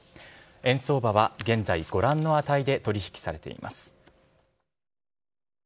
円相場は現在ご覧の値で取引されています。